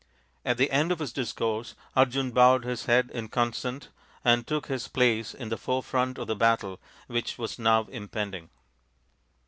At the end of his discourse, Arjun bowed his head in consent and took his place in the forefront of the battle which was now impending.